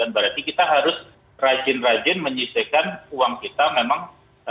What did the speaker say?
berarti kita harus rajin rajin menyisihkan uang kita memang